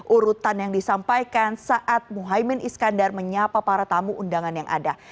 urutan yang disampaikan saat muhaymin iskandar menyapa para tamu undangan yang ada